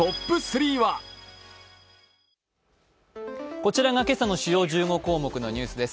こちらが今朝の主要１５項目のニュースです。